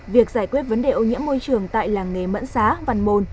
việc giải quyết vấn đề ô nhiễm môi trường tại làng nghề mẫn xá văn bồn